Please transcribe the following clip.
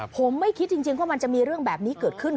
ผมไม่คิดจริงว่ามันจะมีเรื่องแบบนี้เกิดขึ้น